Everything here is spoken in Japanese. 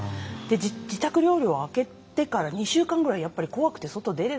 自宅療養が明けてから２週間ぐらいやっぱり怖くて外出れなくて。